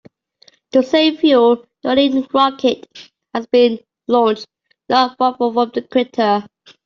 To save fuel, the Ariane rocket has been launched not far from the equator.